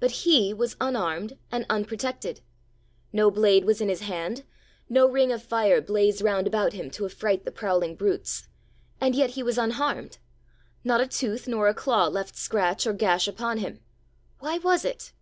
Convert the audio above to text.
But He was unarmed and unprotected! No blade was in His hand; no ring of fire blazed round about Him to affright the prowling brutes. And yet He was unharmed! Not a tooth nor a claw left scratch or gash upon Him! Why was it?